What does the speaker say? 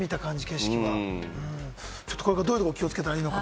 どういうところを気をつけたらいいのか？